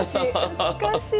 懐かしい。